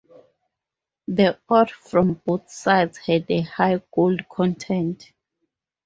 The ore from both sides had a high gold content.